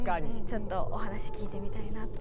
ちょっとお話聞いてみたいなと。